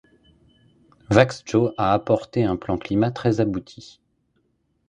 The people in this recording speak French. Växjö a porté un plan climat très abouti.